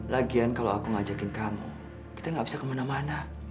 lagian kalau aku ngajakin kamu kita gak bisa kemana mana